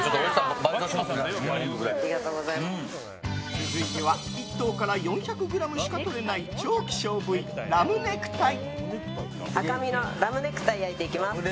続いては１頭から４００ｇしかとれない超希少部位、ラムネクタイ。